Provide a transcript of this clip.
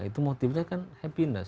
itu motifnya kan happiness